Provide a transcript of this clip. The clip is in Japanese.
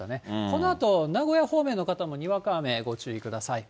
このあと、名古屋方面の方もにわか雨ご注意ください。